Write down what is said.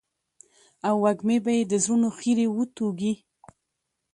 او وږمې به يې د زړونو خيري وتوږي.